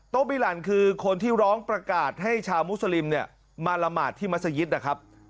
บิลันคือคนที่ร้องประกาศให้ชาวมุสลิมเนี่ยมาละหมาดที่มัศยิตนะครับ